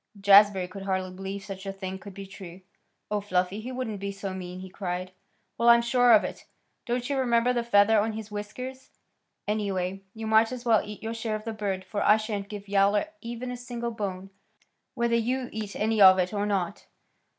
Jazbury could hardly believe such a thing could be true. "Oh, Fluffy! He wouldn't be so mean!" he cried. "Well, I'm sure of it. Don't you remember the feather on his whiskers? Anyway, you might as well eat your share of the bird for I shan't give Yowler even a single bone, whether you eat any of it or not."